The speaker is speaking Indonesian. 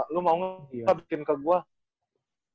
lu mau kita bikin ke gue